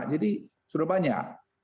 jadi sudah banyak